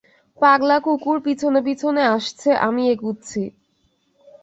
পাগলা কুকুর পিছনে-পিছনে আসছে, আমি এগুচ্ছি।